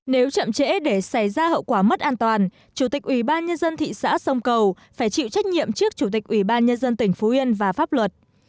nếu chậm trễ để xảy ra hậu quả mất an toàn chủ tịch ubnd thị xã sông cầu phải chịu trách nhiệm trước chủ tịch ubnd tỉnh phú yên và pháp luật